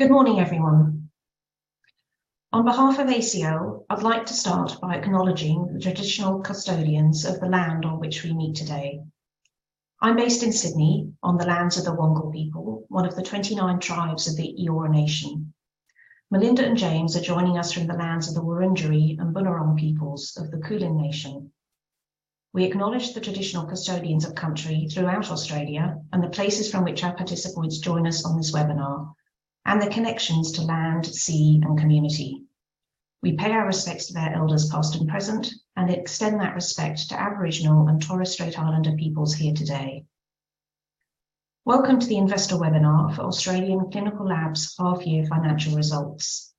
Good morning, everyone. On behalf of ACL, I'd like to start by acknowledging the traditional custodians of the land on which we meet today. I'm based in Sydney on the lands of the Wangal people, one of the 29 tribes of the Eora Nation. Melinda and James are joining us from the lands of the Wurundjeri and Bunurong peoples of the Kulin Nation. We acknowledge the traditional custodians of country throughout Australia, and the places from which our participants join us on this webinar, and their connections to land, sea, and community. We pay our respects to their elders past and present, and extend that respect to Aboriginal and Torres Strait Islander peoples here today. Welcome to the investor webinar for Australian Clinical Labs' half year financial results.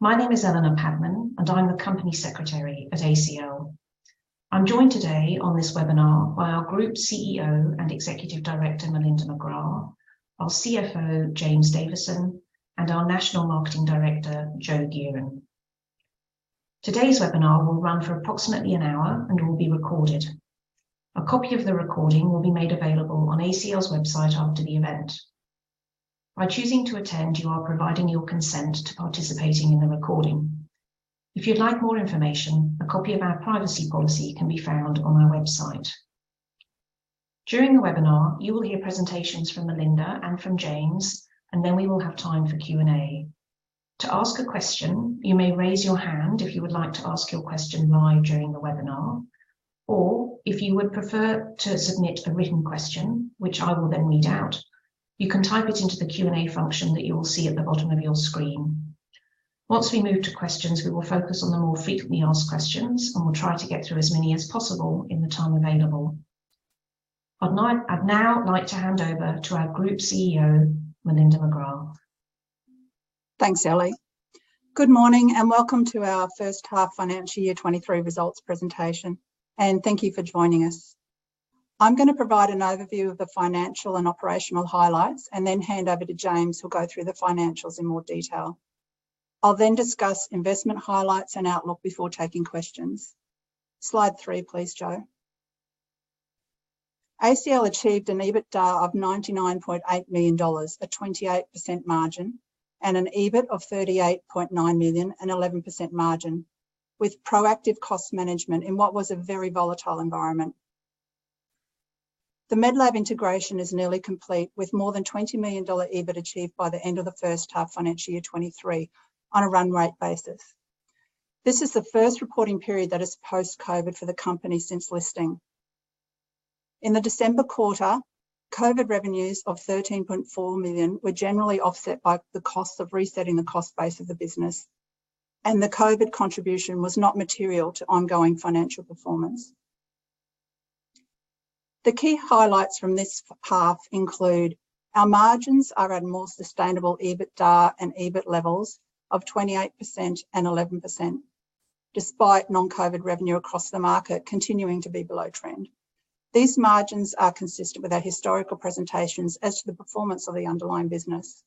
My name is Eleanor Padman, and I'm the Company Secretary at ACL. I'm joined today on this webinar by our Group CEO and Executive Director, Melinda McGrath, our CFO, James Davison, and our National Marketing Director, Joe Geran. Today's webinar will run for approximately an hour and will be recorded. A copy of the recording will be made available on ACL's website after the event. By choosing to attend, you are providing your consent to participating in the recording. If you'd like more information, a copy of our privacy policy can be found on our website. During the webinar, you will hear presentations from Melinda and from James, and then we will have time for Q&A. To ask a question, you may raise your hand if you would like to ask your question live during the webinar. If you would prefer to submit a written question, which I will then read out, you can type it into the Q&A function that you will see at the bottom of your screen. Once we move to questions, we will focus on the more frequently asked questions, and we'll try to get through as many as possible in the time available. I'd now like to hand over to our Group CEO, Melinda McGrath. Thanks, Ellie. Good morning and welcome to our first half financial year 2023 results presentation, and thank you for joining us. I'm gonna provide an overview of the financial and operational highlights and then hand over to James, who'll go through the financials in more detail. I'll then discuss investment highlights and outlook before taking questions. Slide three, please, Joe. ACL achieved an EBITDA of 99.8 million dollars, a 28% margin, and an EBIT of 38.9 million, an 11% margin, with proactive cost management in what was a very volatile environment. The Medlab integration is nearly complete with more than 20 million dollar EBIT achieved by the end of the first half financial year 2023 on a run rate basis. This is the first reporting period that is post-COVID for the company since listing. In the December quarter, COVID revenues of 13.4 million were generally offset by the cost of resetting the cost base of the business. The COVID contribution was not material to ongoing financial performance. The key highlights from this path include our margins are at more sustainable EBITDA and EBIT levels of 28% and 11% despite non-COVID revenue across the market continuing to be below trend. These margins are consistent with our historical presentations as to the performance of the underlying business.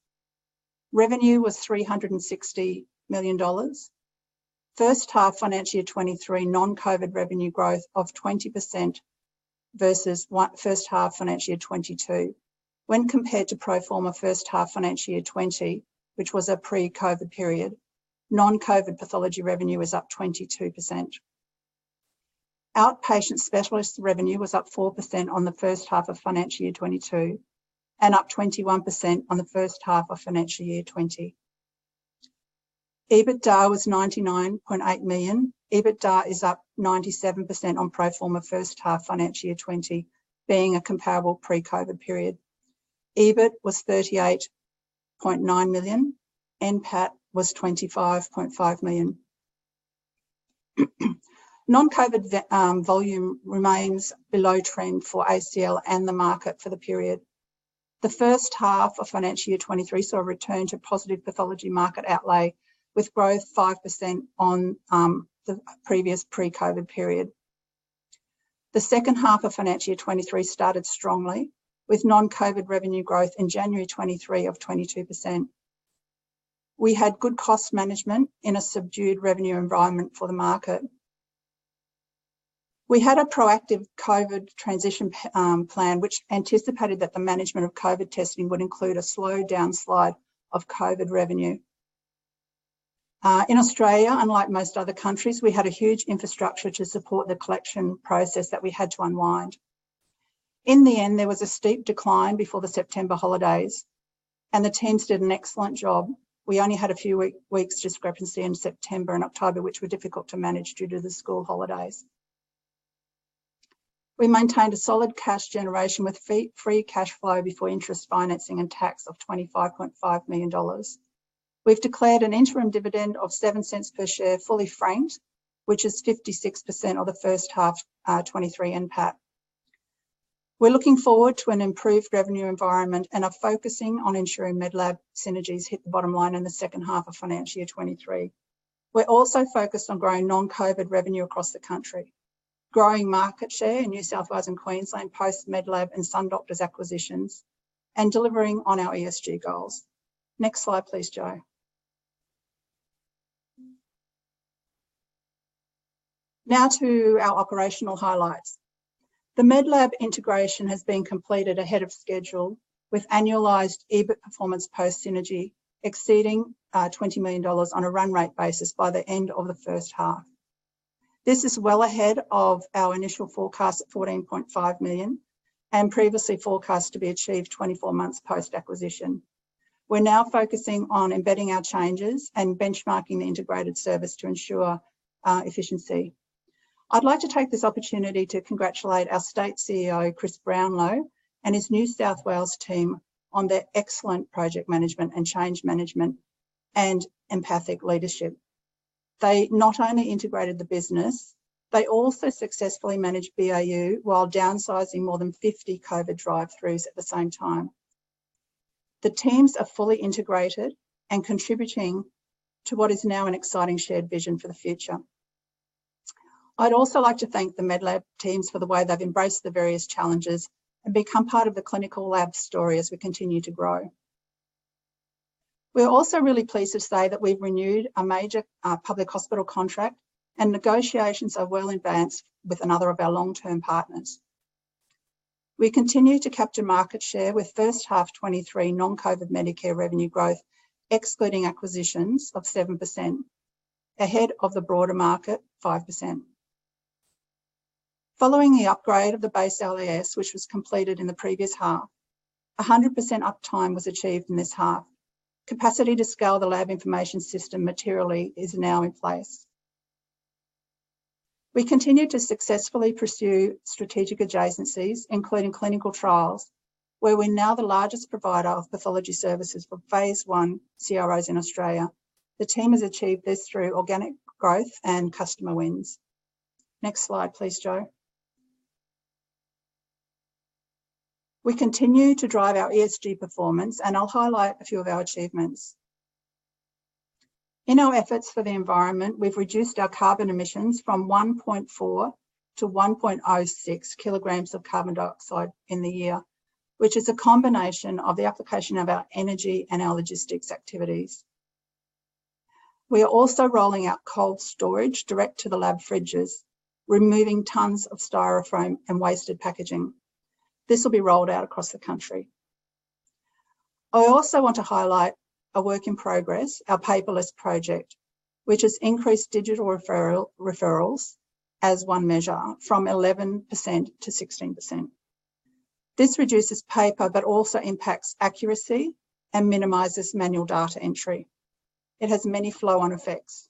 Revenue was 360 million dollars. First half FY 2023, non-COVID revenue growth of 20% versus what first half FY 2022. When compared to pro forma first half FY 2020, which was a pre-COVID period, non-COVID pathology revenue is up 22%. Outpatient specialist revenue was up 4% on the first half of financial year 2022, and up 21% on the first half of financial year 2020. EBITDA was 99.8 million. EBITDA is up 97% on pro forma first half financial year 2020, being a comparable pre-COVID period. EBIT was 38.9 million. NPAT was 25.5 million. Non-COVID volume remains below trend for ACL and the market for the period. The first half of financial year 2023 saw a return to positive pathology market outlay with growth 5% on the previous pre-COVID period. The second half of financial year 2023 started strongly with non-COVID revenue growth in January 2023 of 22%. We had good cost management in a subdued revenue environment for the market. We had a proactive COVID transition plan, which anticipated that the management of COVID testing would include a slow downslide of COVID revenue. In Australia, unlike most other countries, we had a huge infrastructure to support the collection process that we had to unwind. In the end, there was a steep decline before the September holidays, and the teams did an excellent job. We only had a few weeks discrepancy in September and October, which were difficult to manage due to the school holidays. We maintained a solid cash generation with free cash flow before interest financing and tax of 25.5 million dollars. We've declared an interim dividend of 0.07 per share, fully franked, which is 56% of the first half 2023 NPAT. We're looking forward to an improved revenue environment and are focusing on ensuring Medlab synergies hit the bottom line in the second half of financial year 2023. We're also focused on growing non-COVID revenue across the country, growing market share in New South Wales and Queensland, post Medlab and SunDoctors acquisitions, and delivering on our ESG goals. Next slide, please, Joe. Now to our operational highlights. The Medlab integration has been completed ahead of schedule with annualized EBIT performance post synergy exceeding 20 million dollars on a run rate basis by the end of the first half. This is well ahead of our initial forecast at 14.5 million and previously forecast to be achieved 24 months post-acquisition. We're now focusing on embedding our changes and benchmarking the integrated service to ensure efficiency. I'd like to take this opportunity to congratulate our state CEO, Chris Brownlow, and his New South Wales team on their excellent project management and change management and empathic leadership. They not only integrated the business, they also successfully managed BAU while downsizing more than 50 COVID drive-throughs at the same time. The teams are fully integrated and contributing to what is now an exciting shared vision for the future. I'd also like to thank the Medlab teams for the way they've embraced the various challenges and become part of the Clinical Lab story as we continue to grow. We're also really pleased to say that we've renewed a major public hospital contract, and negotiations are well advanced with another of our long-term partners. We continue to capture market share with first half 2023 non-COVID Medicare revenue growth, excluding acquisitions, of 7%, ahead of the broader market, 5%. Following the upgrade of the base LAS, which was completed in the previous half, 100% uptime was achieved in this half. Capacity to scale the lab information system materially is now in place. We continue to successfully pursue strategic adjacencies, including clinical trials, where we're now the largest provider of pathology services for Phase I CROs in Australia. The team has achieved this through organic growth and customer wins. Next slide, please, Joe. We continue to drive our ESG performance, and I'll highlight a few of our achievements. In our efforts for the environment, we've reduced our carbon emissions from 1.4-1.06 kilograms of carbon dioxide in the year, which is a combination of the application of our energy and our logistics activities. We are also rolling out cold storage direct to the lab fridges, removing tons of Styrofoam and wasted packaging. This will be rolled out across the country. I also want to highlight a work in progress, our paperless project, which has increased digital referral, referrals as one measure from 11%-16%. This reduces paper, but also impacts accuracy and minimizes manual data entry. It has many flow-on effects.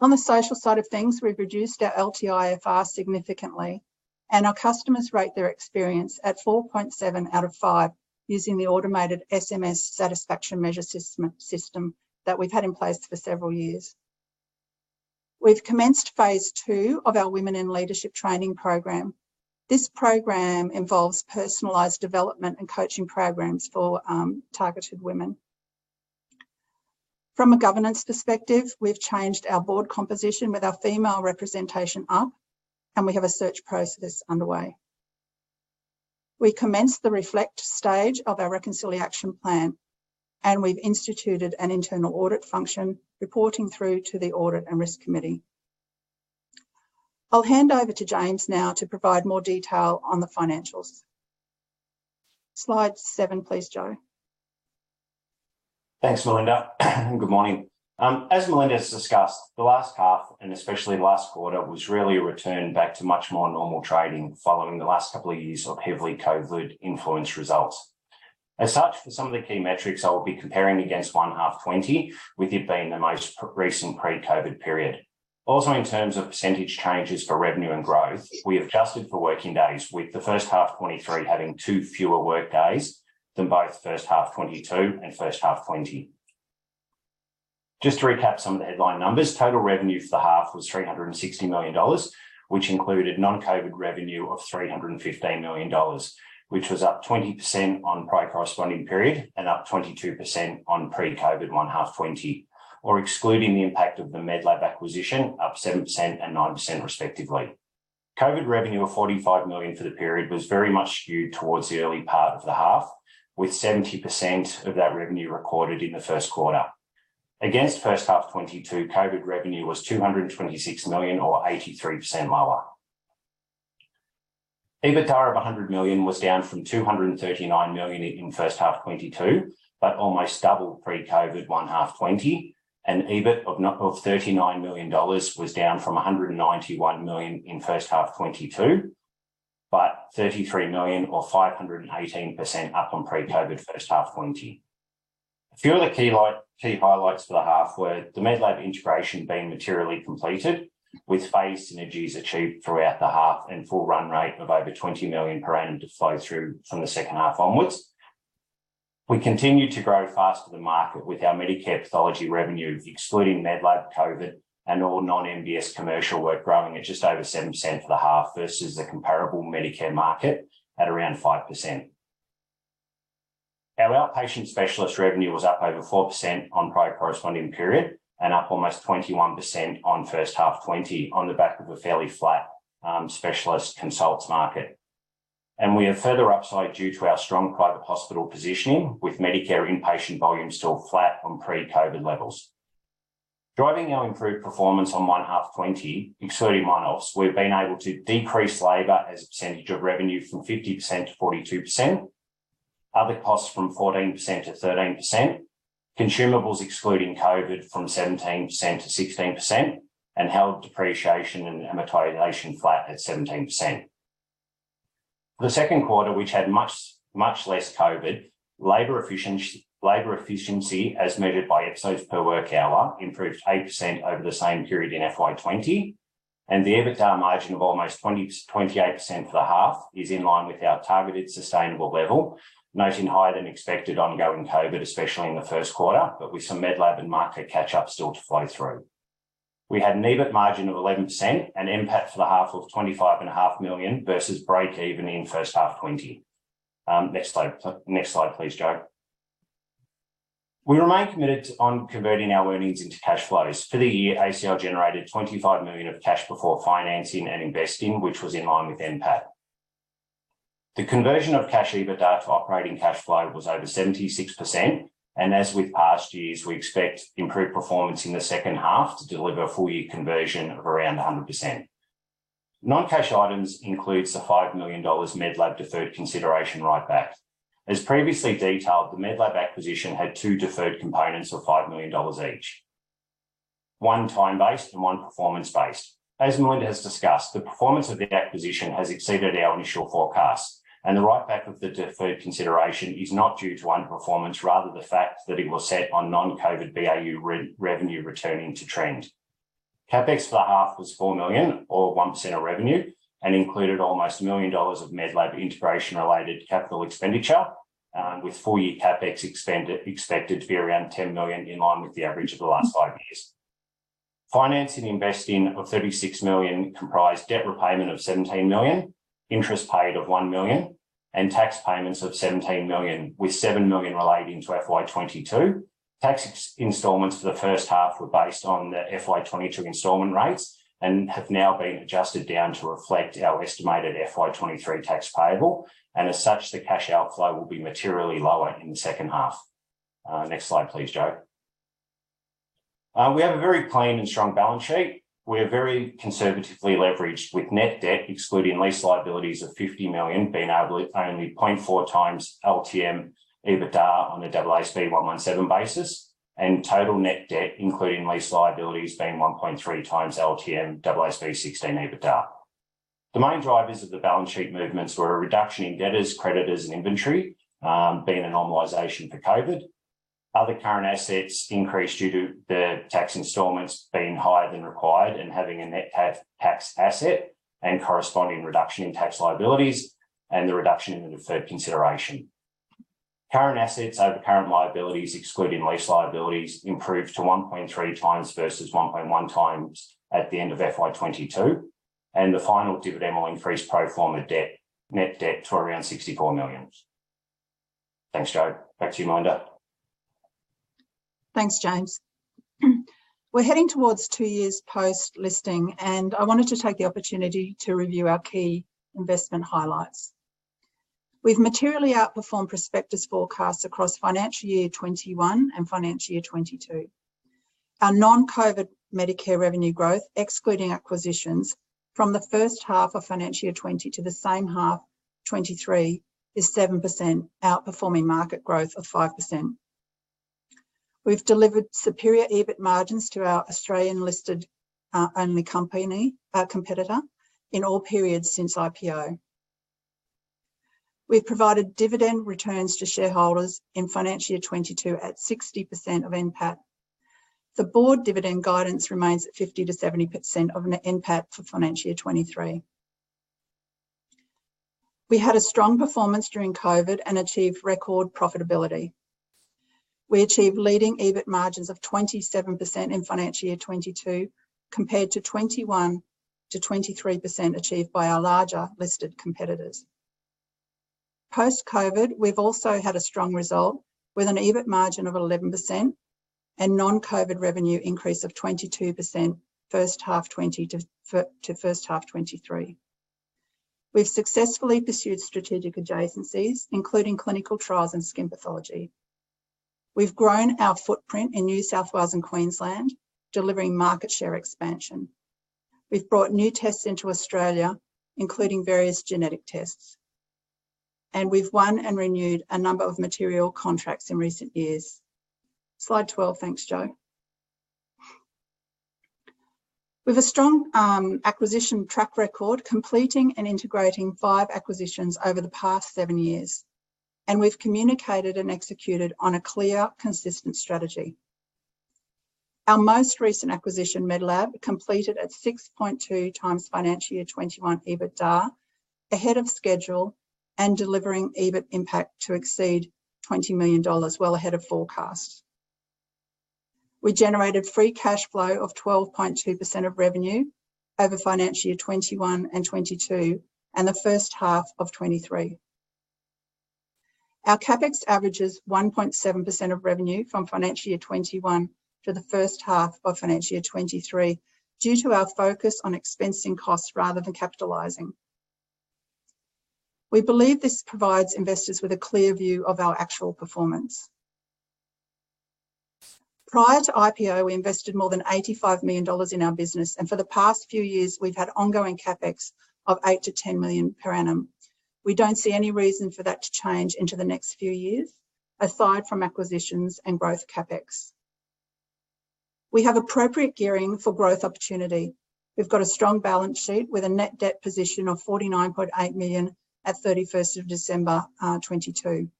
On the social side of things, we've reduced our LTIFR significantly, and our customers rate their experience at 4.7 out of five using the automated SMS satisfaction measure system that we've had in place for several years. We've commenced Phase II of our Women in Leadership training program. This program involves personalized development and coaching programs for targeted women. From a governance perspective, we've changed our board composition with our female representation up, and we have a search process underway. We commenced the reflect stage of our reconciliation plan, and we've instituted an internal audit function reporting through to the audit and risk committee. I'll hand over to James now to provide more detail on the financials. Slide seven, please, Joe. Thanks, Melinda. Good morning. As Melinda has discussed, the last half and especially last quarter was really a return back to much more normal trading following the last couple of years of heavily COVID-influenced results. For some of the key metrics, I'll be comparing against one half 2020, with it being the most recent pre-COVID period. In terms of percentage changes for revenue and growth, we adjusted for working days, with the first half 2023 having two fewer work days than both first half 2022 and first half 2020. Just to recap some of the headline numbers, total revenue for the half was 360 million dollars, which included non-COVID revenue of 315 million dollars, which was up 20% on prior corresponding period and up 22% on pre-COVID H1 2020, or excluding the impact of the Medlab Pathology acquisition, up 7% and 9% respectively. COVID revenue of 45 million for the period was very much skewed towards the early part of the half, with 70% of that revenue recorded in the Q1. Against H1 2022, COVID revenue was 226 million or 83% lower. EBITDA of 100 million was down from 239 million in first half 2022, but almost double pre-COVID first half 2020. EBIT of 39 million dollars was down from 191 million in first half 2022, but 33 million or 518% up on pre-COVID first half 2020. A few other key highlights for the half were the Medlab integration being materially completed with phase synergies achieved throughout the half and full run rate of over 20 million per annum to flow through from the second half onwards. We continued to grow faster than market with our Medicare pathology revenue, excluding Medlab COVID and all non-MBS commercial work growing at just over 7% for the half versus the comparable Medicare market at around 5%. Our outpatient specialist revenue was up over 4% on prior corresponding period and up almost 21% on first half 2020 on the back of a fairly flat specialist consults market. We have further upside due to our strong private hospital positioning with Medicare inpatient volumes still flat on pre-COVID levels. Driving our improved performance on first half 2020, excluding one-offs, we've been able to decrease labor as a percentage of revenue from 50% to 42%, other costs from 14% to 13%, consumables excluding COVID from 17% to 16%, and held depreciation and amortization flat at 17%. The second quarter, which had much less COVID, labor efficiency as measured by episodes per work hour, improved 8% over the same period in FY 2020. The EBITDA margin of almost 28% for the half is in line with our targeted sustainable level, noting higher-than-expected ongoing COVID, especially in the first quarter, but with some Medlab and market catch-up still to flow through. We had an EBIT margin of 11% and NPAT for the half of 25.5 million versus break even in first half 2020. Next slide. Next slide, please, Joe Geran. We remain committed on converting our earnings into cash flows. For the year, ACL generated 25 million of cash before financing and investing, which was in line with NPAT. The conversion of cash EBITDA to operating cash flow was over 76%, and as with past years, we expect improved performance in the second half to deliver a full year conversion of around 100%. Non-cash items includes the 5 million dollars Medlab deferred consideration write-back. As previously detailed, the Medlab acquisition had two deferred components of 5 million dollars each, one time-based and one performance-based. As Melinda has discussed, the performance of the acquisition has exceeded our initial forecast, and the write back of the deferred consideration is not due to underperformance, rather the fact that it was set on non-COVID BAU re-revenue returning to trend. CapEx for the half was 4 million or 1% of revenue and included almost 1 million dollars of Medlab integration-related capital expenditure, with full year CapEx expected to be around 10 million, in line with the average of the last five years. Financing investing of 36 million comprised debt repayment of 17 million, interest paid of 1 million, and tax payments of 17 million, with 7 million relating to FY 2022. Tax installments for the first half were based on the FY22 installment rates and have now been adjusted down to reflect our estimated FY 2023 tax payable. As such, the cash outflow will be materially lower in the second half. Next slide, please, Joe. We have a very clean and strong balance sheet. We are very conservatively leveraged with net debt, excluding lease liabilities of 50 million, being able to only 0.4x LTM EBITDA on a AASB 117 basis points, and total net debt, including lease liabilities, being 1.3x LTM AASB 16 EBITDA. The main drivers of the balance sheet movements were a reduction in debtors, creditors, and inventory, being a normalization for COVID. Other current assets increased due to the tax installments being higher than required and having a net tax asset and corresponding reduction in tax liabilities and the reduction in the deferred consideration. Current assets over current liabilities, excluding lease liabilities, improved to 1.3x versus 1.1x at the end of FY 2022, and the final dividend will increase pro forma debt, net debt to around 64 million. Thanks, Joe Geran. Back to you, Melinda McGrath. Thanks, James. We're heading towards two years post-listing. I wanted to take the opportunity to review our key investment highlights. We've materially outperformed prospectus forecasts across FY 2021 and FY 2022. Our non-COVID Medicare revenue growth, excluding acquisitions from the first half of FY 2020 to the same half FY 2023, is 7%, outperforming market growth of 5%. We've delivered superior EBIT margins to our Australian listed only company competitor in all periods since IPO. We've provided dividend returns to shareholders in FY 2022 at 60% of NPAT. The board dividend guidance remains at 50%-70% of NPAT for FY 2023. We had a strong performance during COVID and achieved record profitability. We achieved leading EBIT margins of 27% in FY 2022, compared to 21%-23% achieved by our larger listed competitors. Post-COVID, we've also had a strong result with an EBIT margin of 11% and non-COVID revenue increase of 22% first half 2020 to first half 2023. We've successfully pursued strategic adjacencies, including clinical trials and skin pathology. We've grown our footprint in New South Wales and Queensland, delivering market share expansion. We've brought new tests into Australia, including various genetic tests, and we've won and renewed a number of material contracts in recent years. Slide 12. Thanks, Joe. We've a strong acquisition track record, completing and integrating five acquisitions over the past seven years, and we've communicated and executed on a clear, consistent strategy. Our most recent acquisition, Medlab, completed at 6.2x financial year 2021 EBITDA, ahead of schedule and delivering EBIT impact to exceed AUD 20 million, well ahead of forecast. We generated free cash flow of 12.2% of revenue over financial year 2021 and 2022 and the first half of 2023. Our CapEx averages 1.7% of revenue from financial year 2021 to the first half of financial year 2023 due to our focus on expensing costs rather than capitalizing. We believe this provides investors with a clear view of our actual performance. Prior to IPO, we invested more than 85 million dollars in our business, and for the past few years, we've had ongoing CapEx of 8 million-10 million per annum. We don't see any reason for that to change into the next few years, aside from acquisitions and growth CapEx. We have appropriate gearing for growth opportunity. We've got a strong balance sheet with a net debt position of 49.8 million at 31st of December, 2022.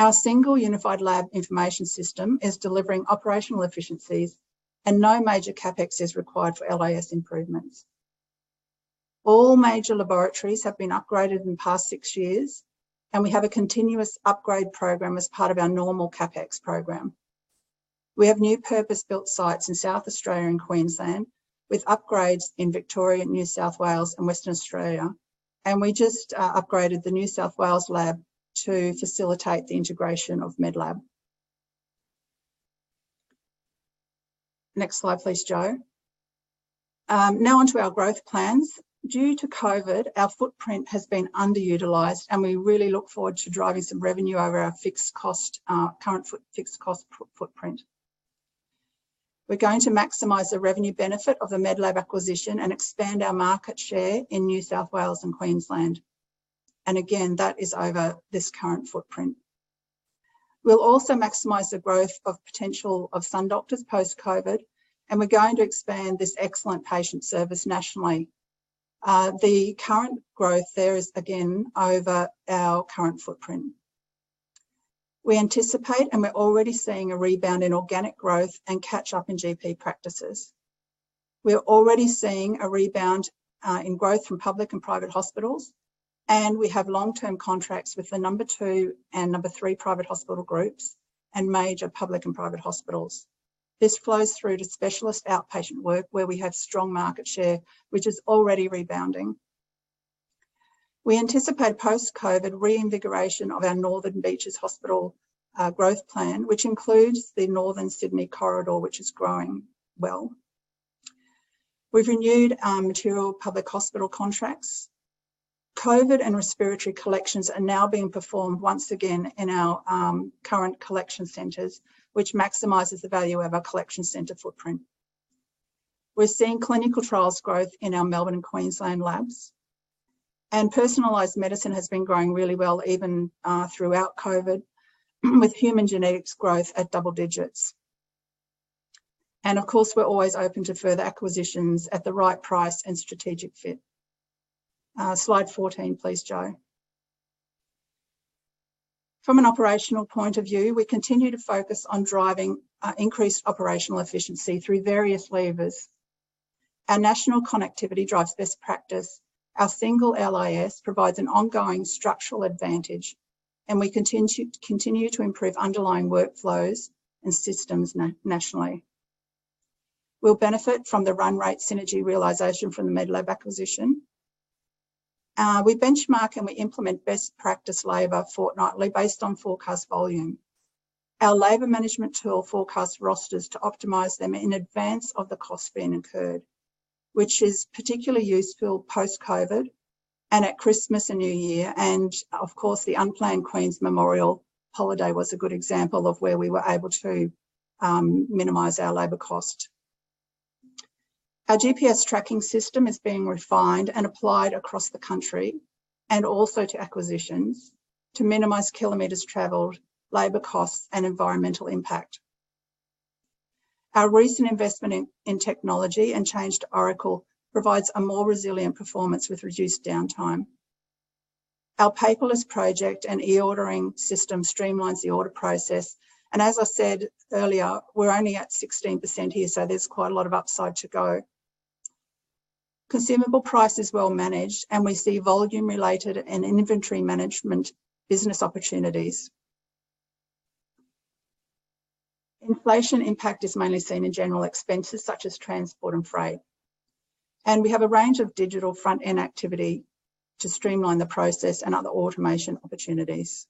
Our single unified lab information system is delivering operational efficiencies. No major CapEx is required for LIS improvements. All major laboratories have been upgraded in the past six years. We have a continuous upgrade program as part of our normal CapEx program. We have new purpose-built sites in South Australia and Queensland, with upgrades in Victoria, New South Wales and Western Australia. We just upgraded the New South Wales lab to facilitate the integration of Medlab. Next slide, please, Joe. Now on to our growth plans. Due to COVID, our footprint has been underutilized. We really look forward to driving some revenue over our current fixed cost footprint. We're going to maximize the revenue benefit of the Medlab acquisition and expand our market share in New South Wales and Queensland. Again, that is over this current footprint. We'll also maximize the growth of potential of SunDoctors post-COVID, and we're going to expand this excellent patient service nationally. The current growth there is again over our current footprint. We anticipate, and we're already seeing a rebound in organic growth and catch up in GP practices. We're already seeing a rebound in growth from public and private hospitals. We have long-term contracts with the number two and number three private hospital groups and major public and private hospitals. This flows through to specialist outpatient work where we have strong market share, which is already rebounding. We anticipate post-COVID reinvigoration of our Northern Beaches Hospital growth plan, which includes the Northern Sydney corridor, which is growing well. We've renewed our material public hospital contracts. COVID and respiratory collections are now being performed once again in our current collection centers, which maximizes the value of our collection center footprint. We're seeing clinical trials growth in our Melbourne and Queensland labs. Personalized medicine has been growing really well even throughout COVID with human genetics growth at double digits. Of course, we're always open to further acquisitions at the right price and strategic fit. Slide 14, please, Joe. From an operational point of view, we continue to focus on driving increased operational efficiency through various levers. Our national connectivity drives best practice. Our single LIS provides an ongoing structural advantage, and we continue to improve underlying workflows and systems nationally. We'll benefit from the run rate synergy realization from the Medlab acquisition. We benchmark and we implement best practice labor fortnightly based on forecast volume. Our labor management tool forecasts rosters to optimize them in advance of the cost being incurred, which is particularly useful post-COVID and at Christmas and New Year, and of course, the unplanned Queen's Memorial holiday was a good example of where we were able to minimize our labor cost. Our GPS tracking system is being refined and applied across the country, and also to acquisitions to minimize kilometers traveled, labor costs and environmental impact. Our recent investment in technology and change to Oracle provides a more resilient performance with reduced downtime. Our paperless project and e-ordering system streamlines the order process, and as I said earlier, we're only at 16% here, so there's quite a lot of upside to go. Consumable price is well managed, and we see volume-related and inventory management business opportunities. Inflation impact is mainly seen in general expenses such as transport and freight, and we have a range of digital front-end activity to streamline the process and other automation opportunities.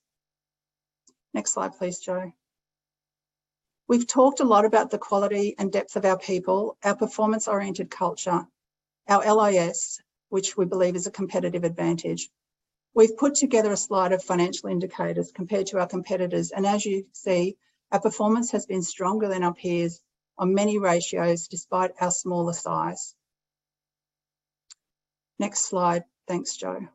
Next slide, please, Joe. We've talked a lot about the quality and depth of our people, our performance-oriented culture, our LIS, which we believe is a competitive advantage. We've put together a slide of financial indicators compared to our competitors, and as you see, our performance has been stronger than our peers on many ratios despite our smaller size. Next slide. Thanks, Joe.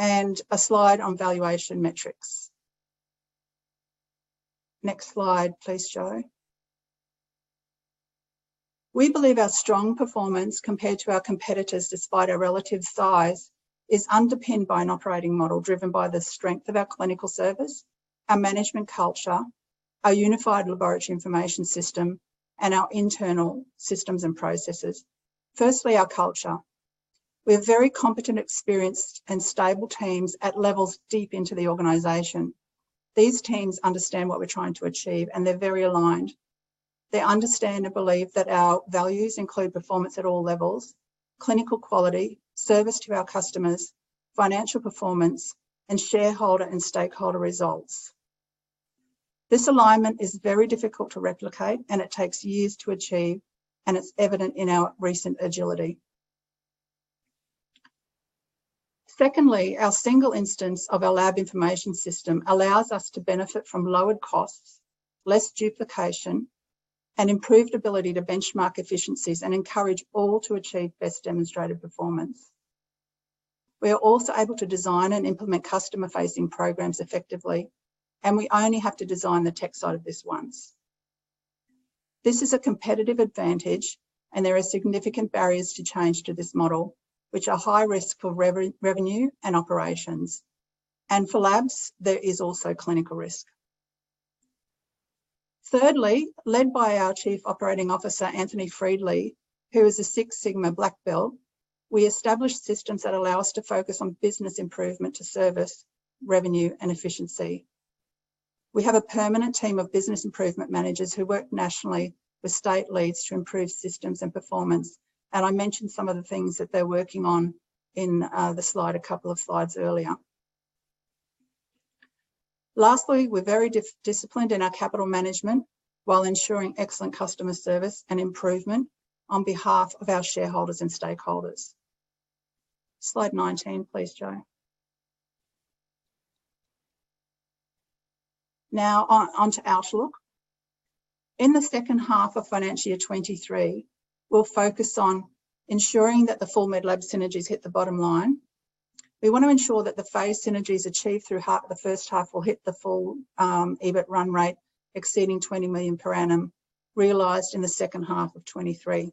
A slide on valuation metrics. Next slide, please, Joe. We believe our strong performance compared to our competitors, despite our relative size, is underpinned by an operating model driven by the strength of our clinical service, our management culture, our unified laboratory information system and our internal systems and processes. Firstly, our culture. We have very competent, experienced and stable teams at levels deep into the organization. These teams understand what we're trying to achieve, and they're very aligned. They understand and believe that our values include performance at all levels, clinical quality, service to our customers, financial performance, and shareholder and stakeholder results. This alignment is very difficult to replicate, and it takes years to achieve, and it's evident in our recent agility. Secondly, our single instance of our lab information system allows us to benefit from lowered costs, less duplication, and improved ability to benchmark efficiencies and encourage all to achieve best demonstrated performance. We are also able to design and implement customer-facing programs effectively, and we only have to design the tech side of this once. This is a competitive advantage. There are significant barriers to change to this model, which are high risk for revenue and operations, and for labs, there is also clinical risk. Thirdly, led by our Chief Operating Officer, Anthony Friedli, who is a Six Sigma Black Belt, we established systems that allow us to focus on business improvement to service, revenue, and efficiency. We have a permanent team of business improvement managers who work nationally with state leads to improve systems and performance. I mentioned some of the things that they're working on in the slide two slides earlier. Lastly, we're very disciplined in our capital management while ensuring excellent customer service and improvement on behalf of our shareholders and stakeholders. Slide 19, please, Joe. On to outlook. In the second half of financial year 2023, we'll focus on ensuring that the full Medlab synergies hit the bottom line. We want to ensure that the synergies achieved through the first half will hit the full EBIT run rate exceeding 20 million per annum, realized in the second half of 2023.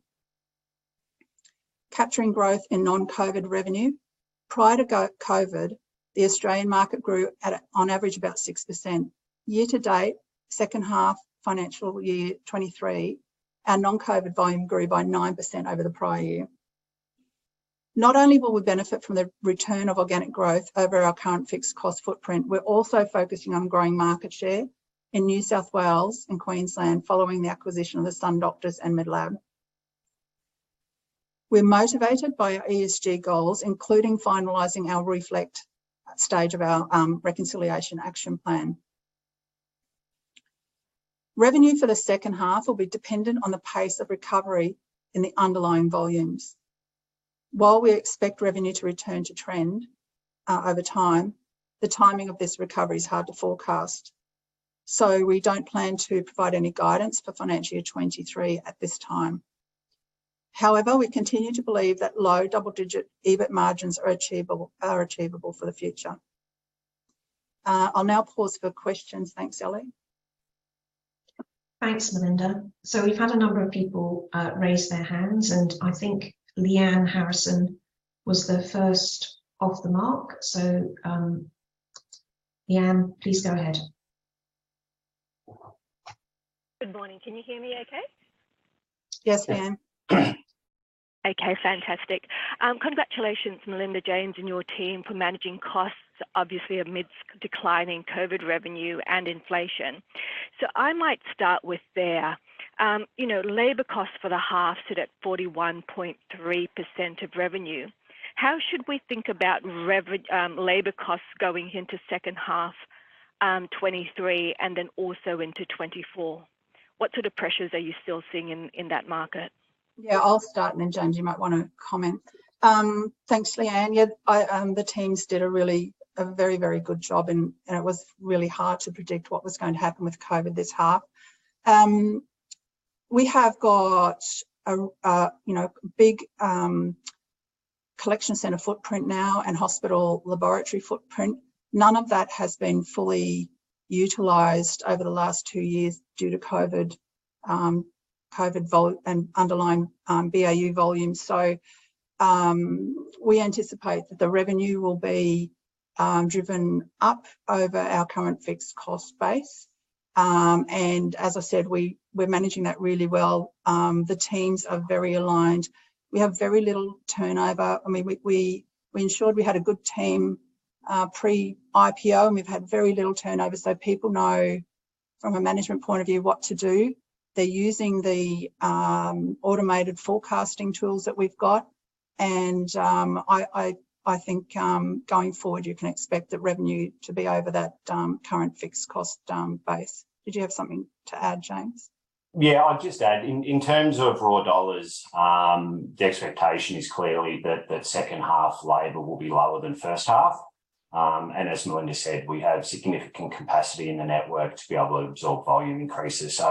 Capturing growth in non-COVID revenue. Prior to COVID, the Australian market grew at, on average, about 6%. Year to date, second half financial year 2023, our non-COVID volume grew by 9% over the prior year. Not only will we benefit from the return of organic growth over our current fixed cost footprint, we're also focusing on growing market share in New South Wales and Queensland following the acquisition of the SunDoctors and Medlab. We're motivated by our ESG goals, including finalizing our reflect stage of our reconciliation action plan. Revenue for the second half will be dependent on the pace of recovery in the underlying volumes. While we expect revenue to return to trend over time, the timing of this recovery is hard to forecast. We don't plan to provide any guidance for financial year 2023 at this time. We continue to believe that low double-digit EBIT margins are achievable for the future. I'll now pause for questions. Thanks, Ellie. Thanks, Melinda. We've had a number of people raise their hands. I think Lyanne Harrison was the first off the mark. Lyanne, please go ahead. Good morning. Can you hear me okay? Yes, ma'am. Okay, fantastic. Congratulations, Melinda James and your team for managing costs, obviously amidst declining COVID revenue and inflation. I might start with there. You know, labor costs for the half sit at 41.3% of revenue. How should we think about labor costs going into second half 2023 and then also into 2024? What sort of pressures are you still seeing in that market? I'll start, and then James, you might want to comment. Thanks, Lyanne. I, the teams did a very, very good job and it was really hard to predict what was going to happen with COVID this half. We have got a, you know, big collection center footprint now and hospital laboratory footprint. None of that has been fully utilized over the last two years due to COVID and underlying BAU volumes. We anticipate that the revenue will be driven up over our current fixed cost base. As I said, we're managing that really well. The teams are very aligned. We have very little turnover. I mean, we ensured we had a good team, pre-IPO, and we've had very little turnover, so people know from a management point of view what to do. They're using the automated forecasting tools that we've got, and I think going forward, you can expect the revenue to be over that current fixed cost base. Did you have something to add, James? Yeah. I'll just add, in terms of raw dollars, the expectation is clearly that second half labor will be lower than first half. As Melinda said, we have significant capacity in the network to be able to absorb volume increases.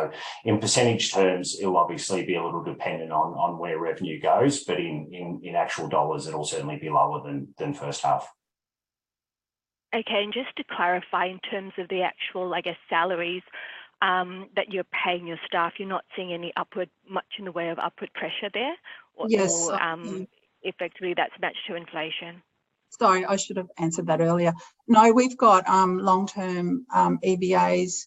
In percentage terms, it will obviously be a little dependent on where revenue goes, but in actual dollars, it'll certainly be lower than first half. Okay. Just to clarify, in terms of the actual, I guess, salaries, that you're paying your staff, you're not seeing any upward, much in the way of upward pressure there? Yes. Effectively that's matched to inflation? Sorry, I should have answered that earlier. No, we've got long-term EVAs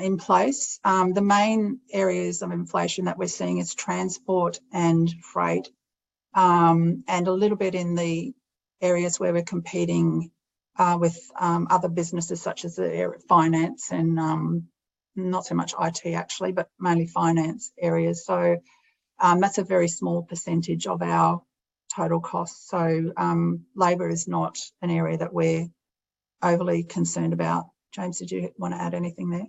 in place. The main areas of inflation that we're seeing is transport and freight. And a little bit in the areas where we're competing with other businesses such as finance and not so much IT actually, but mainly finance areas. That's a very small percentage of our total costs. Labor is not an area that we're overly concerned about. James, did you wanna add anything there?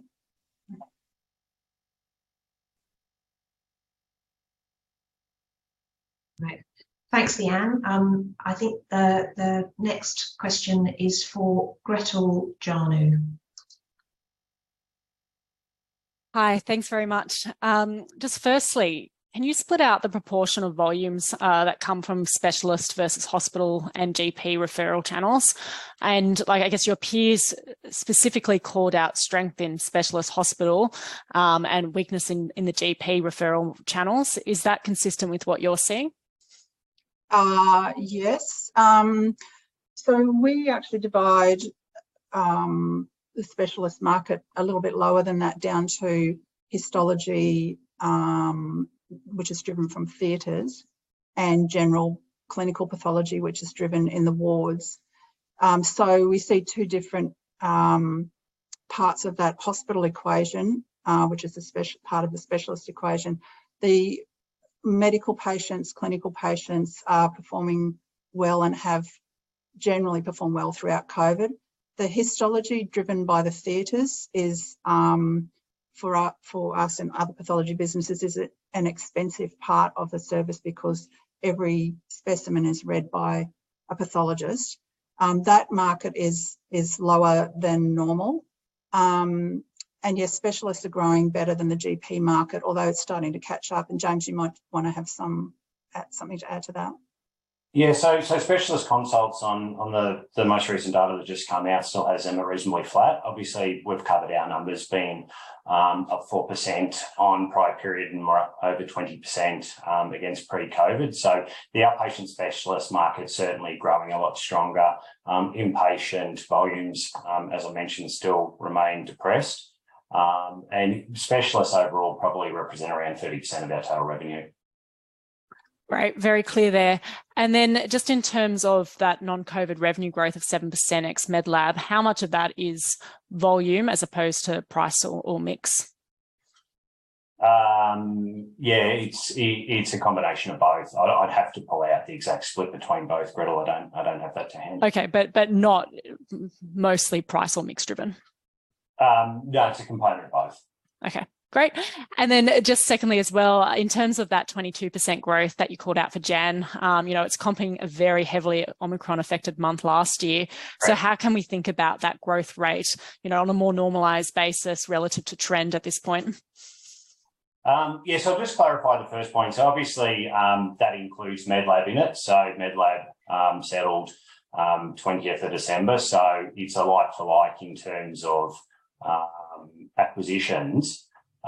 Right. Thanks, Laynne. I think the next question is for Gretel Janu. Hi. Thanks very much. Just firstly, can you split out the proportion of volumes that come from specialist versus hospital and GP referral channels? Like, I guess your peers specifically called out strength in specialist hospital, and weakness in the GP referral channels. Is that consistent with what you're seeing? Yes. We actually divide the specialist market a little bit lower than that down to histology, which is driven from theaters, and general clinical pathology, which is driven in the wards. We see two different parts of that hospital equation, which is part of the specialist equation. The medical patients, clinical patients are performing well and have generally performed well throughout COVID. The histology driven by the theaters is for us and other pathology businesses is an expensive part of the service because every specimen is read by a pathologist. That market is lower than normal. Yes, specialists are growing better than the GP market, although it's starting to catch up. James, you might want to have something to add to that. Specialist consults on the most recent data that just come out still has them reasonably flat. Obviously, we've covered our numbers being up 4% on prior period, and we're up over 20% against pre-COVID. The outpatient specialist market certainly growing a lot stronger. Inpatient volumes, as I mentioned, still remain depressed. Specialists overall probably represent around 30% of our total revenue. Right. Very clear there. Then just in terms of that non-COVID revenue growth of 7% ExMedlab, how much of that is volume as opposed to price or mix? Yeah, it's a combination of both. I'd have to pull out the exact split between both, Gretel. I don't have that to hand. Okay. not mostly price or mix driven. No, it's a component of both. Okay, great. Just secondly as well, in terms of that 22% growth that you called out for January, you know, it's comping a very heavily Omicron affected month last year. Right. How can we think about that growth rate, you know, on a more normalized basis relative to trend at this point? Yeah. I'll just clarify the first point. Obviously, that includes Medlab in it. Medlab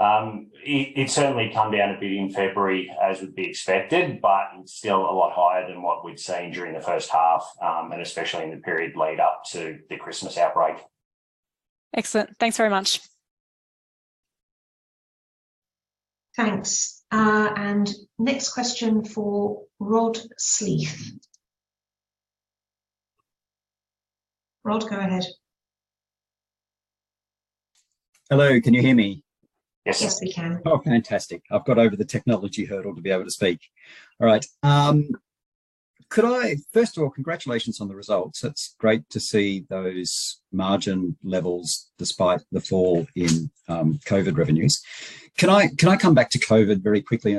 settled 20th of December, so it's a like-to-like in terms of acquisitions. It's certainly come down a bit in February as would be expected, but it's still a lot higher than what we'd seen during the first half, and especially in the period lead up to the Christmas outbreak. Excellent. Thanks very much. Thanks. Next question for Rod Sleath. Rod, go ahead. Hello, can you hear me? Yes. Yes, we can. Oh, fantastic. I've got over the technology hurdle to be able to speak. First of all, congratulations on the results. It's great to see those margin levels despite the fall in COVID revenues. Can I come back to COVID very quickly?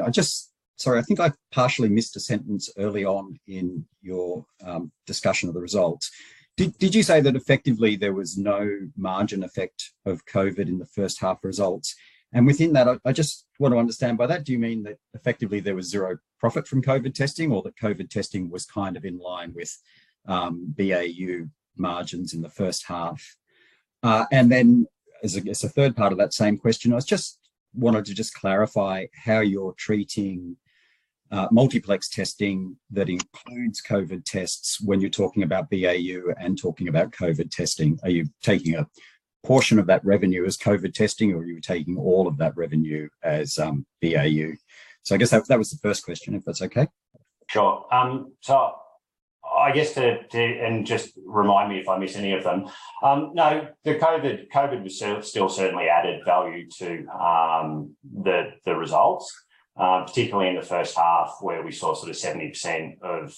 Sorry, I think I partially missed a sentence early on in your discussion of the results. Did you say that effectively there was no margin effect of COVID in the first half results? Within that, I just want to understand by that, do you mean that effectively there was zero profit from COVID testing, or that COVID testing was kind of in line with BAU margins in the first half? As a third part of that same question, just wanted to just clarify how you're treating, multiplex testing that includes COVID tests when you're talking about BAU and talking about COVID testing. Are you taking a portion of that revenue as COVID testing, or you taking all of that revenue as, BAU? I guess that was the first question, if that's okay. Sure. I guess... Just remind me if I miss any of them. No, the COVID was still certainly added value to the results, particularly in the first half where we saw sort of 70% of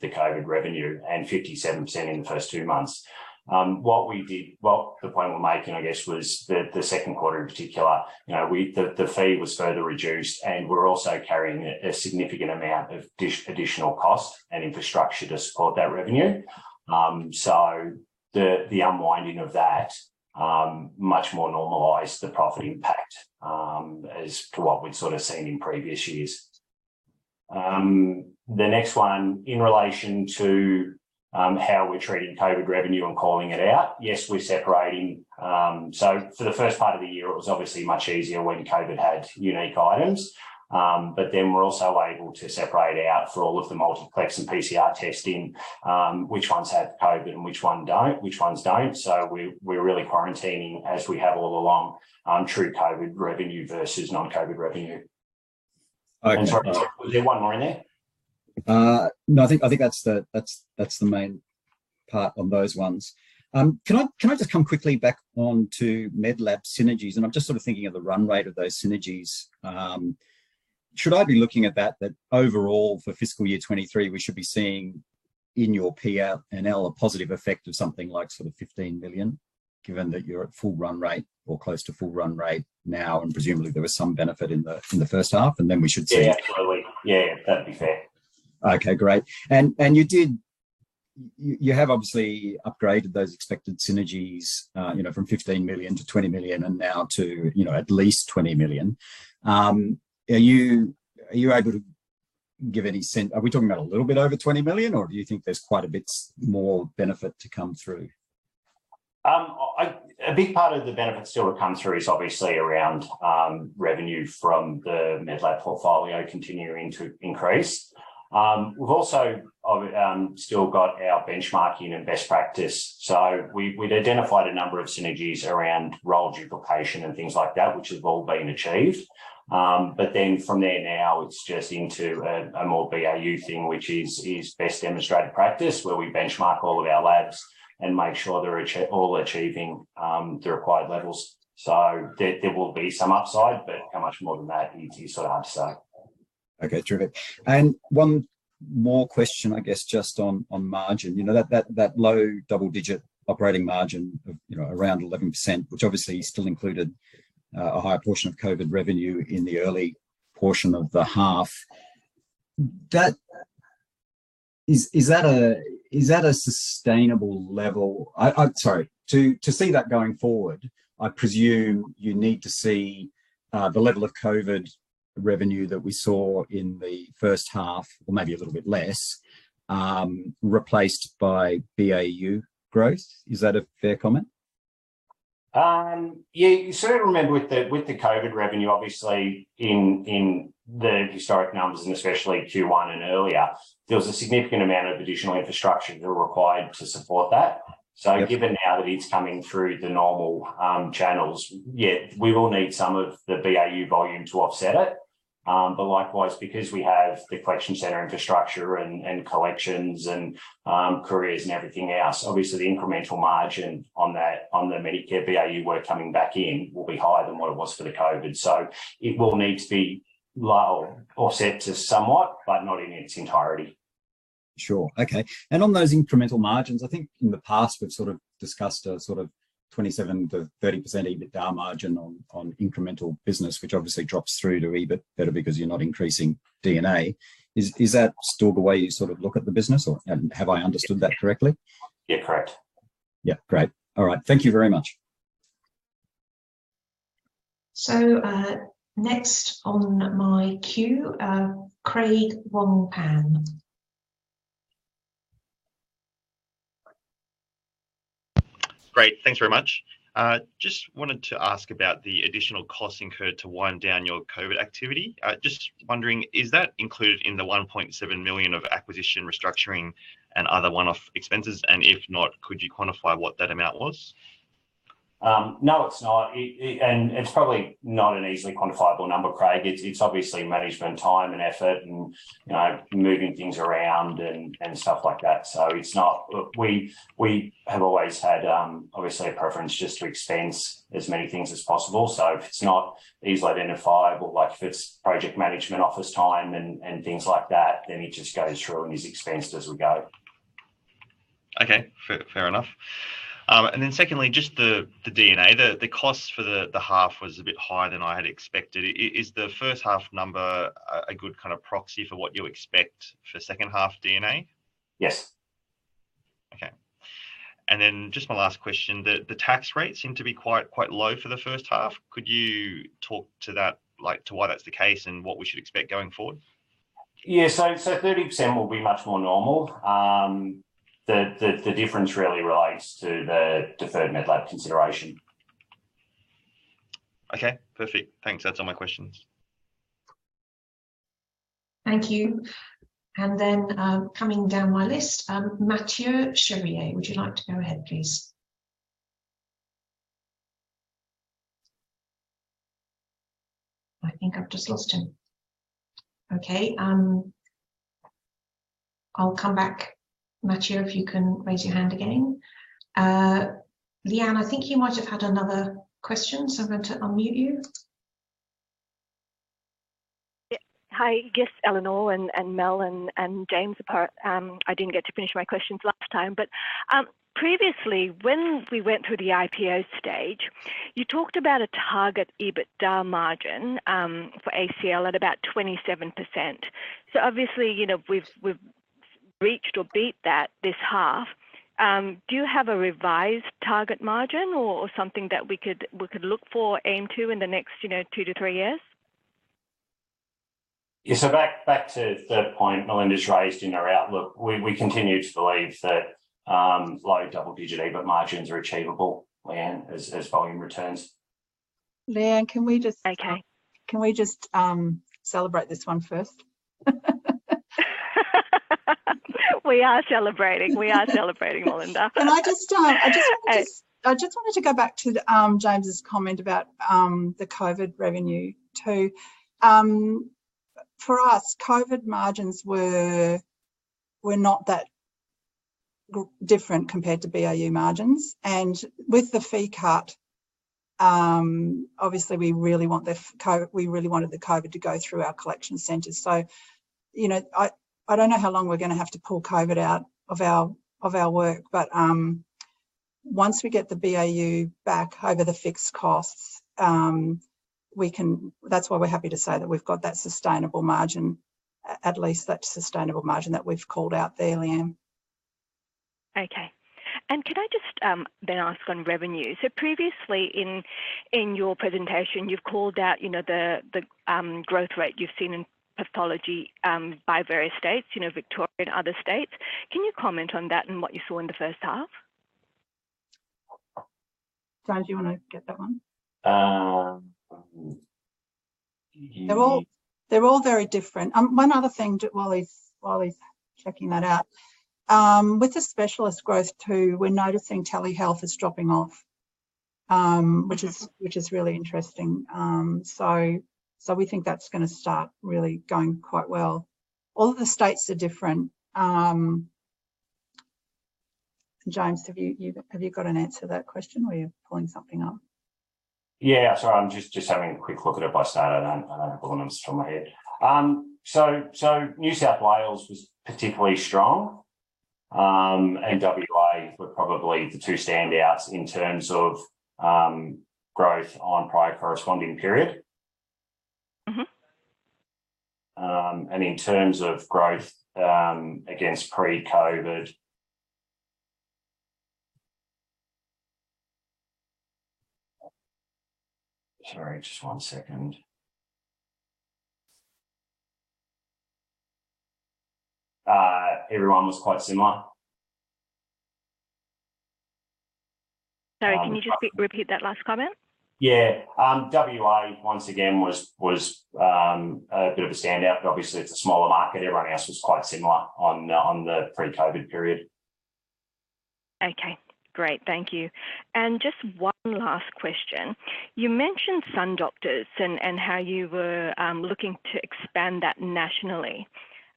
the COVID revenue and 57% in the first two months. What the point we're making, I guess, was the second quarter in particular, you know, the fee was further reduced, and we're also carrying a significant amount of additional cost and infrastructure to support that revenue. The unwinding of that much more normalized the profit impact as to what we'd sort of seen in previous years. The next one in relation to how we're treating COVID revenue and calling it out. Yes, we're separating. For the first part of the year, it was obviously much easier when COVID had unique items. We're also able to separate out for all of the multiplex and PCR testing, which ones have COVID and which ones don't. We're really quarantining as we have all along, true COVID revenue versus non-COVID revenue. I'm sorry, was there one more in there? No. I think that's the main part on those ones. Can I just come quickly back onto Medlab synergies? I'm just sort of thinking of the run rate of those synergies. Should I be looking at that overall for fiscal year 2023, we should be seeing in your P&L a positive effect of something like sort of 15 million, given that you're at full run rate or close to full run rate now, and presumably there was some benefit in the first half, and then we should see... Yeah, absolutely. Yeah. That'd be fair. Okay, great. You have obviously upgraded those expected synergies, you know, from 15 million to 20 million, now to, you know, at least 20 million. Are you able to give any? Are we talking about a little bit over 20 million, or do you think there's quite a bit more benefit to come through? A big part of the benefit still to come through is obviously around revenue from the Medlab portfolio continuing to increase. We've also still got our benchmarking and best practice. We'd identified a number of synergies around role duplication and things like that, which have all been achieved. From there now it's just into a more BAU thing, which is best demonstrated practice, where we benchmark all of our labs and make sure they're all achieving the required levels. There will be some upside, but how much more than that is sort of hard to say. Okay. Terrific. One more question, I guess, just on margin. You know, that low double-digit operating margin of, you know, around 11%, which obviously still included a high portion of COVID revenue in the early portion of the half. Is that a sustainable level? Sorry. To see that going forward, I presume you need to see the level of COVID revenue that we saw in the first half, or maybe a little bit less, replaced by BAU growth. Is that a fair comment? You sort of remember with the, with the COVID revenue, obviously in the historic numbers and especially Q1 and earlier, there was a significant amount of additional infrastructure that were required to support that. Yeah. Given now that it's coming through the normal, channels, yeah, we will need some of the BAU volume to offset it. Likewise, because we have the collection center infrastructure and collections and couriers and everything else, obviously the incremental margin on that, on the Medicare BAU work coming back in will be higher than what it was for the COVID. It will need to be offset to somewhat, but not in its entirety. Sure. Okay. On those incremental margins, I think in the past we've sort of discussed a sort of 27%-30% EBITDA margin on incremental business, which obviously drops through to EBIT better because you're not increasing D&A. Is that still the way you sort of look at the business or, and have I understood that correctly? Yeah. Correct. Yeah. Great. All right. Thank you very much. Next on my queue, Craig Wong-Pan. Great. Thanks very much. Just wanted to ask about the additional costs incurred to wind down your COVID activity. Just wondering, is that included in the 1.7 million of acquisition restructuring and other one-off expenses? If not, could you quantify what that amount was? No, it's not. It's probably not an easily quantifiable number, Craig. It's, it's obviously management time and effort and, you know, moving things around and stuff like that. It's not. We have always had, obviously a preference just to expense as many things as possible. If it's not easily identifiable, like if it's project management office time and things like that, then it just goes through and is expensed as we go. Okay. Fair, fair enough. Then secondly, just the D&A, the cost for the half was a bit higher than I had expected. Is the first half number a good kind of proxy for what you expect for second half D&A? Yes. Okay. Just my last question. The tax rates seem to be quite low for the first half. Could you talk to that, like, to why that's the case and what we should expect going forward? Yeah. 30% will be much more normal. The difference really relates to the deferred Medlab consideration. Okay. Perfect. Thanks. That's all my questions. Thank you. Coming down my list, Nathanaël Cherrier, would you like to go ahead, please? I think I've just lost him. Okay. I'll come back, Mathieu, if you can raise your hand again. Lyanne, I think you might have had another question, so I'm going to unmute you. Yeah. Hi. Yes, Eleanor and Mel and James, I didn't get to finish my questions last time. Previously when we went through the IPO stage, you talked about a target EBITDA margin for ACL at about 27%. Obviously, you know, we've reached or beat that this half. Do you have a revised target margin or something that we could look for, aim to in the next, you know, two to three years? back to the point Melinda's raised in our outlook. We continue to believe that low double-digit EBIT margins are achievable, Lyanne, as volume returns. Lyanne, can we just- Okay. Can we just, celebrate this one first? We are celebrating. We are celebrating, Melinda. I just wanted to go back to James' comment about the COVID revenue too. For us, COVID margins were not that different compared to BAU margins. With the fee cut, obviously we really wanted the COVID to go through our collection centers. You know, I don't know how long we're gonna have to pull COVID out of our, of our work, but once we get the BAU back over the fixed costs, we can. That's why we're happy to say that we've got that sustainable margin, at least that sustainable margin that we've called out there, Lyanne. Okay. Could I just then ask on revenue? Previously in your presentation, you've called out, you know, the growth rate you've seen in pathology by various states, you know, Victoria and other states. Can you comment on that and what you saw in the first half? James, do you wanna get that one? Um, hmm. They're all very different. One other thing while he's checking that out. With the specialist growth too, we're noticing telehealth is dropping off, which is really interesting. We think that's gonna start really going quite well. All of the states are different. James, have you got an answer to that question or you're pulling something up? Yeah, sorry, I'm just having a quick look at it by start. I don't, I don't have all the numbers from my head. New South Wales was particularly strong. WA were probably the two standouts in terms of growth on prior corresponding period. Mm-hmm. In terms of growth, against pre-COVID. Sorry, just one second. Everyone was quite similar. Sorry, can you just repeat that last comment? Yeah. WA once again was a bit of a standout, but obviously it's a smaller market. Everyone else was quite similar on the pre-COVID period. Okay, great. Thank you. Just one last question. You mentioned SunDoctors and how you were looking to expand that nationally,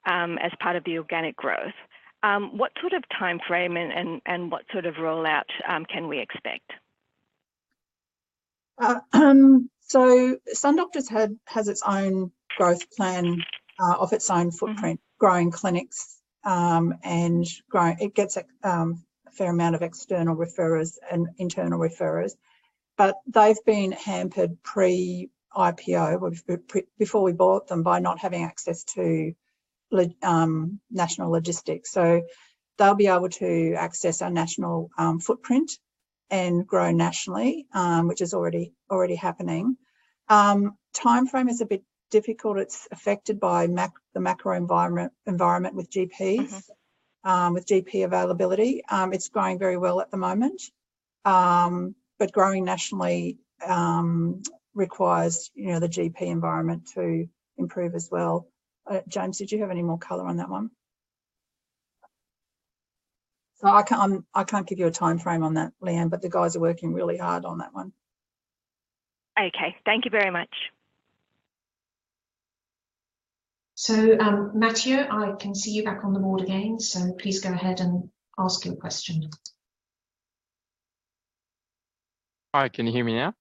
as part of the organic growth. What sort of timeframe and what sort of rollout can we expect? SunDoctors had, has its own growth plan of its own footprint, growing clinics. It gets a fair amount of external referrers and internal referrers. They've been hampered pre-IPO, well before we bought them by not having access to national logistics. They'll be able to access our national footprint and grow nationally, which is already happening. Timeframe is a bit difficult. It's affected by the macro environment with GPs. Mm-hmm ...with GP availability. It's growing very well at the moment. Growing nationally, requires, you know, the GP environment to improve as well. James, did you have any more color on that one? I can't, I can't give you a timeframe on that, Lyanne, but the guys are working really hard on that one. Okay. Thank you very much. Matthew, I can see you back on the board again, so please go ahead and ask your question. Hi, can you hear me now?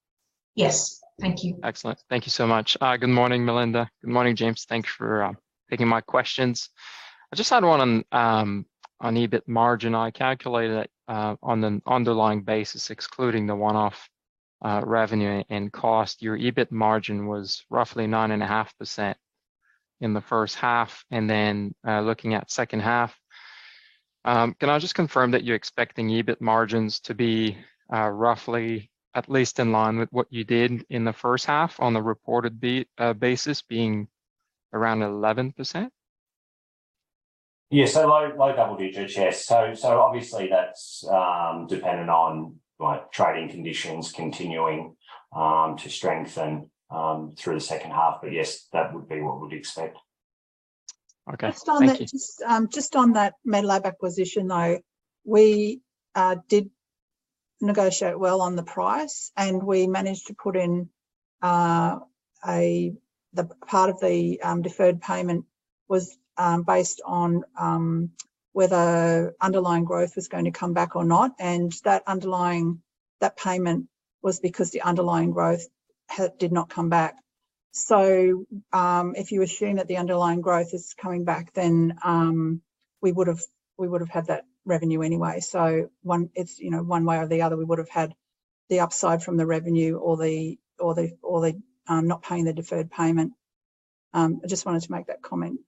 Yes. Thank you. Excellent. Thank you so much. Good morning, Melinda. Good morning, James. Thank you for taking my questions. I just had one on EBIT margin. I calculated it on an underlying basis, excluding the one-off revenue and cost. Your EBIT margin was roughly 9.5% in the first half, and then, looking at second half, can I just confirm that you're expecting EBIT margins to be roughly at least in line with what you did in the first half on the reported basis being around 11%? Yeah. Low double digits. Yes. Obviously that's dependent on like trading conditions continuing to strengthen through the second half. Yes, that would be what we'd expect. Okay. Thank you. Just on that, just on that Medlab acquisition, though, we did negotiate well on the price, and we managed to put in the deferred payment was based on whether underlying growth was going to come back or not. That underlying, that payment was because the underlying growth did not come back. If you assume that the underlying growth is coming back, then we would have had that revenue anyway. One, it's, you know, one way or the other, we would have had the upside from the revenue or the not paying the deferred payment. I just wanted to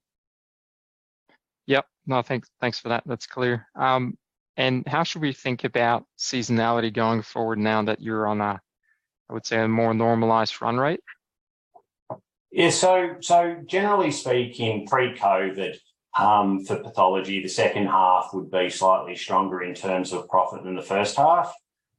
make that comment. Yep. No, thanks for that. That's clear. How should we think about seasonality going forward now that you're on a, I would say, a more normalized run rate? Yeah. Generally speaking, pre-COVID, for pathology, the second half would be slightly stronger in terms of profit than the first half.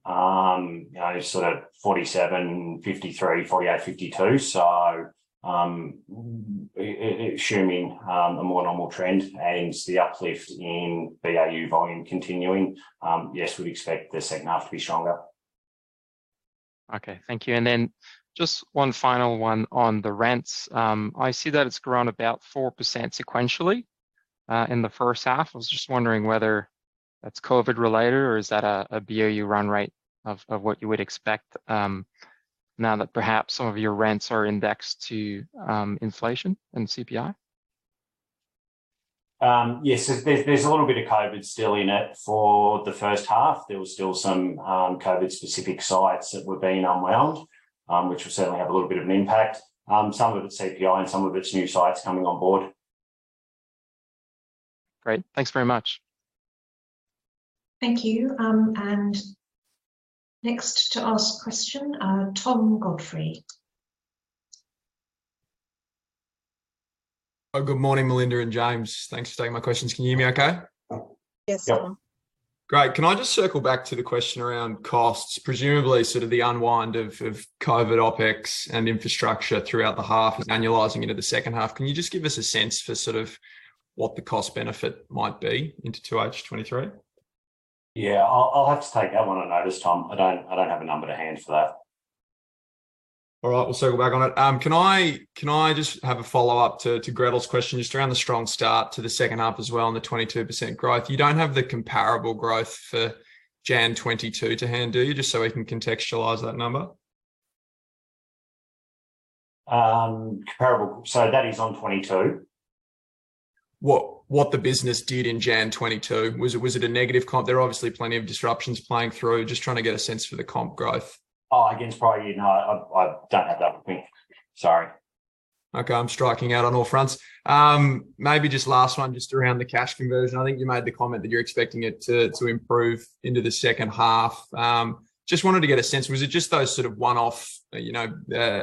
You know, sort of 47%, 53%, 48%, 52%. Assuming a more normal trend and the uplift in BAU volume continuing, yes, we'd expect the second half to be stronger. Okay. Thank you. Just one final one on the rents. I see that it's grown about 4% sequentially, in the first half. I was just wondering whether that's COVID related or is that a BAU run rate of what you would expect, now that perhaps some of your rents are indexed to, inflation and CPI? Yes, there's a little bit of COVID still in it for the first half. There was still some COVID specific sites that were being unwound, which will certainly have a little bit of an impact. Some of it's CPI and some of it's new sites coming on board. Great. Thanks very much. Thank you. Next to ask question, Tom Godfrey. good morning, Melinda and James. Thanks for taking my questions. Can you hear me okay? Yes, Tom. Yes. Great. Can I just circle back to the question around costs, presumably sort of the unwind of COVID OpEx and infrastructure throughout the half is annualizing into the second half. Can you just give us a sense for sort of what the cost benefit might be into 2H 2023? Yeah. I'll have to take that one on notice, Tom. I don't have a number to hand for that. All right. We'll circle back on it. Can I just have a follow-up to Gretel's question just around the strong start to the second half as well and the 22% growth? You don't have the comparable growth for Jan 2022 to hand, do you? Just so we can contextualize that number. Comparable. That is on 22. What the business did in January 2022. Was it a negative comp? There are obviously plenty of disruptions playing through. Just trying to get a sense for the comp growth. Oh, against prior year? No, I don't have that with me. Sorry. I'm striking out on all fronts. Maybe just last one just around the cash conversion. I think you made the comment that you're expecting it to improve into the second half. Just wanted to get a sense, was it just those sort of one-off, you know,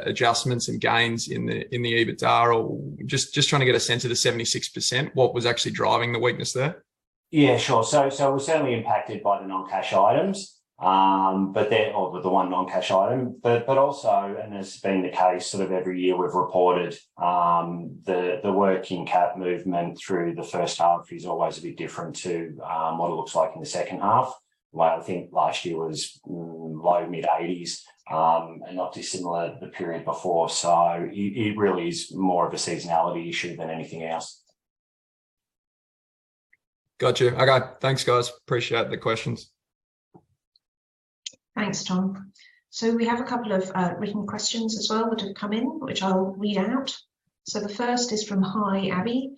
adjustments and gains in the EBITDA? Just trying to get a sense of the 76%, what was actually driving the weakness there? Yeah, sure. It was certainly impacted by the non-cash items. They're or the one non-cash item. Also, and this has been the case sort of every year we've reported, the working cap movement through the first half is always a bit different to what it looks like in the second half. Where I think last year was low mid-eighties, and not dissimilar the period before. It really is more of a seasonality issue than anything else. Gotcha. Okay. Thanks, guys. Appreciate the questions. Thanks, Tom. We have a couple of, written questions as well that have come in, which I'll read out. The first is from Hari Abi.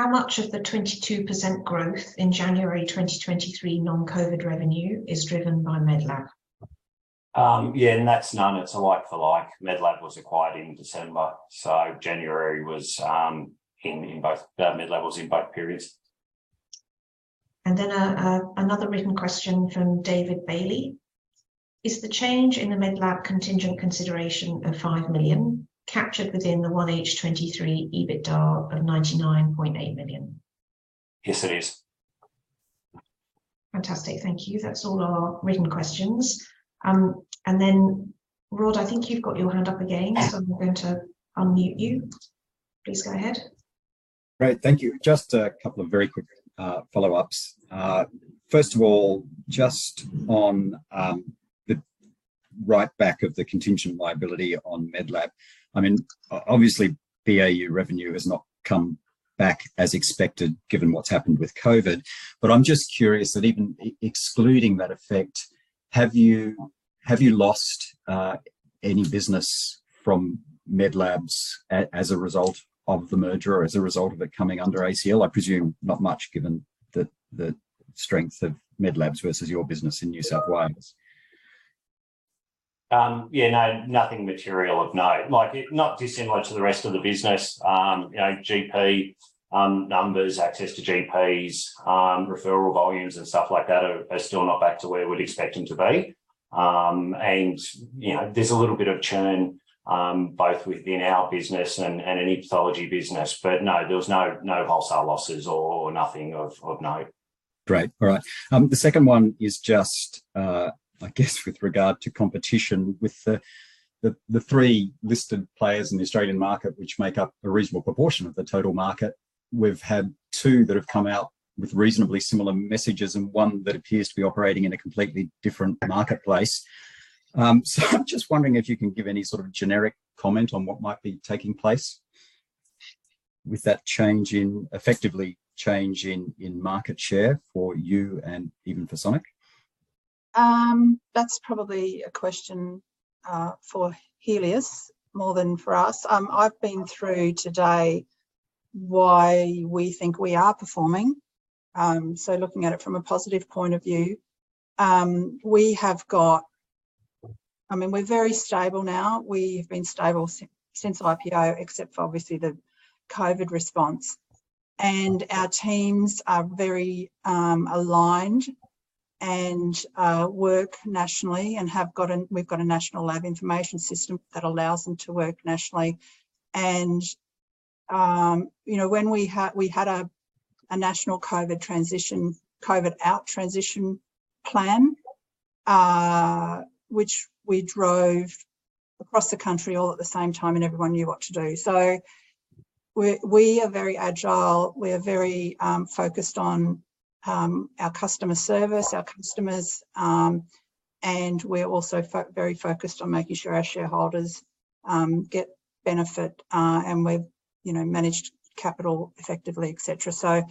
How much of the 22% growth in January 2023 non-COVID revenue is driven by Medlab? Yeah, and that's none, it's a like for like. Medlab was acquired in December, so January was, Medlab was in both periods. A another written question from David Bailey. Is the change in the Medlab contingent consideration of 5 million captured within the 1H23 EBITDA of 99.8 million? Yes, it is. Fantastic. Thank you. That's all our written questions. Rod, I think you've got your hand up again, so I'm going to unmute you. Please go ahead. Great. Thank you. Just a couple of very quick follow-ups. First of all, just on the right back of the contingent liability on Medlab. I mean, obviously BAU revenue has not come back as expected given what's happened with COVID, but I'm just curious that even excluding that effect, have you lost any business from Medlab as a result of the merger or as a result of it coming under ACL? I presume not much given the strength of Medlab versus your business in New South Wales. Yeah, no, nothing material of note. Like, not dissimilar to the rest of the business. You know, GP numbers, access to GPs, referral volumes and stuff like that are still not back to where we'd expect them to be. You know, there's a little bit of churn, both within our business and any pathology business. No, there was no wholesale losses or nothing of note. Great. All right. The second one is just, I guess with regard to competition with the three listed players in the Australian market, which make up a reasonable proportion of the total market. We've had two that have come out with reasonably similar messages and one that appears to be operating in a completely different marketplace. I'm just wondering if you can give any sort of generic comment on what might be taking place with that effectively change in market share for you and even for Sonic. That's probably a question for Healius more than for us. I've been through today why we think we are performing. Looking at it from a positive point of view, we have got I mean, we're very stable now. We've been stable since IPO except for obviously the COVID response. Our teams are very aligned and work nationally and we've got a national lab information system that allows them to work nationally. You know, when we had a national COVID transition, COVID out transition plan, which we drove across the country all at the same time, and everyone knew what to do. We are very agile. We are very focused on our customer service, our customers, and we're also very focused on making sure our shareholders get benefit, and we've, you know, managed capital effectively, et cetera.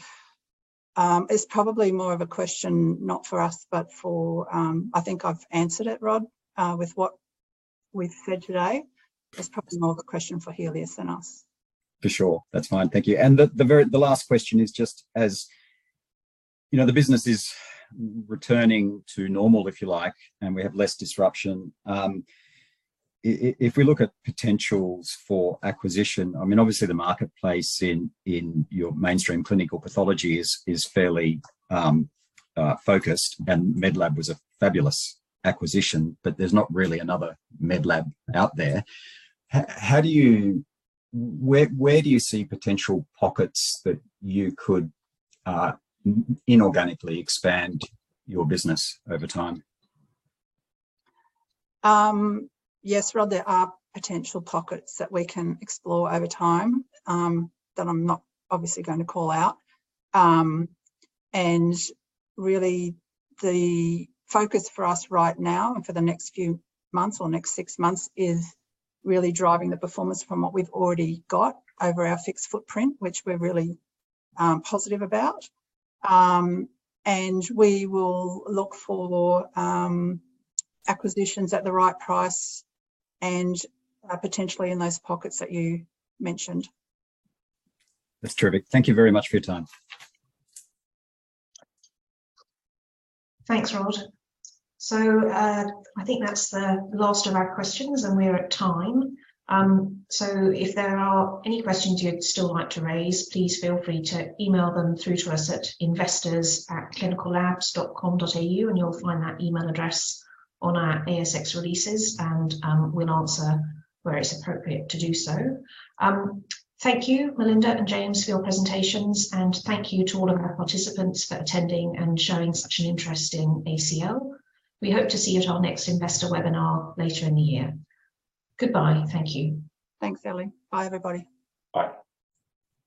It's probably more of a question, not for us, but for, I think I've answered it, Rod, with what we've said today. It's probably more of a question for Healius than us. For sure. That's fine. Thank you. The last question is just as, you know, the business is returning to normal, if you like, and we have less disruption, if we look at potentials for acquisition, I mean, obviously the marketplace in your mainstream clinical pathology is fairly focused, and Medlab was a fabulous acquisition, but there's not really another Medlab out there. Where do you see potential pockets that you could inorganically expand your business over time? Yes, Rod, there are potential pockets that we can explore over time, that I'm not obviously gonna call out. Really the focus for us right now and for the next few months or next six months is really driving the performance from what we've already got over our fixed footprint, which we're really positive about. We will look for acquisitions at the right price and potentially in those pockets that you mentioned. That's terrific. Thank you very much for your time. Thanks, Rod. I think that's the last of our questions, and we're at time. If there are any questions you'd still like to raise, please feel free to email them through to us at investors@clinicallabs.com.au, and you'll find that email address on our ASX releases, and we'll answer where it's appropriate to do so. Thank you, Melinda and James, for your presentations, and thank you to all of our participants for attending and showing such an interest in ACL. We hope to see you at our next investor webinar later in the year. Goodbye. Thank you. Thanks, Ellie. Bye, everybody. Bye.